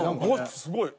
すごい。